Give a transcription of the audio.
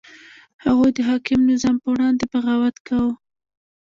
هغوی د حاکم نظام په وړاندې بغاوت کاوه.